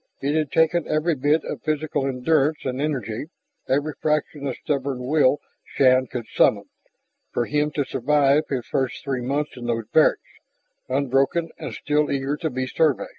It had taken every bit of physical endurance and energy, every fraction of stubborn will Shann could summon, for him to survive his first three months in those barracks unbroken and still eager to be Survey.